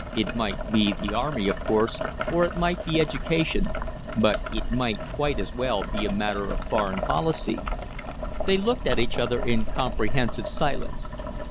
It might be the army, of course, or it might be education; but it might quite as well be a matter of foreign policy!" They looked at each other in comprehensive silence.